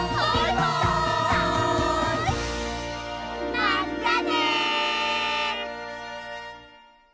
まったね！